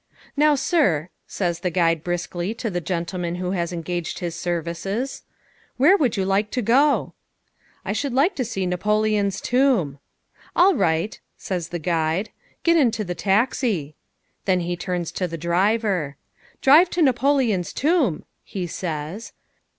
"Now, sir," says the guide briskly to the gentleman who has engaged his services, "where would you like to go?" "I should like to see Napoleon's tomb." "All right," says the guide, "get into the taxi." Then he turns to the driver. "Drive to Napoleon's tomb," he says.